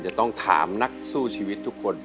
จะต้องถามนักสู้ชีวิตทุกคน